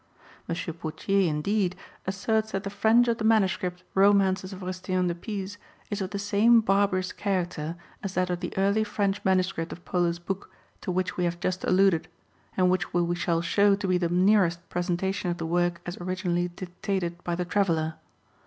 M. Pauthier indeed J asserts that the French of the MS. Romances of Rusticien de Pise is of the same barbarous character as that of the early French MS. of Polo's Book to which we have just alluded, and which we shall show to be the nearest present ation of the work as originally dictated by the Traveller.